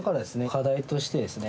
課題としてですね